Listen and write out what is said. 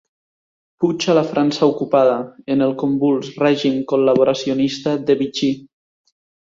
Puig a la França ocupada, en el convuls règim col·laboracionista de Vichy.